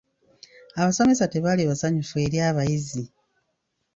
Abasomesa tebaali basanyufu eri abayizi.